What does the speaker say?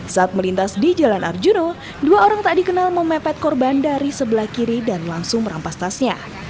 saat melintas di jalan arjuna dua orang tak dikenal memepet korban dari sebelah kiri dan langsung merampas tasnya